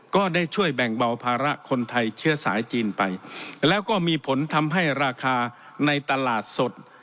ก็ได้ช่วยแบ่งเบาภาระคนไทยเชื้อสายจีนไปแล้วก็มีผลทำให้ราคาในตลาดสด